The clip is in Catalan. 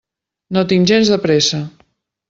No tinc gens de pressa.